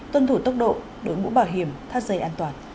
tuân thủ tốc độ đối mũ bảo hiểm thắt dây an toàn